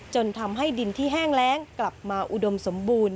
จนทำให้ดินที่แห้งแรงกลับมาอุดมสมบูรณ